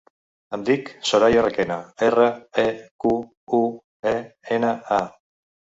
Em dic Soraya Requena: erra, e, cu, u, e, ena, a.